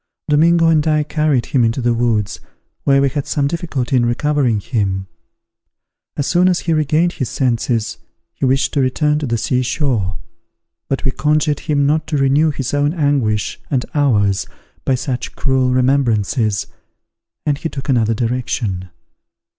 Domingo and I carried him into the woods, where we had some difficulty in recovering him. As soon as he regained his senses, he wished to return to the sea shore; but we conjured him not to renew his own anguish and ours by such cruel remembrances, and he took another direction.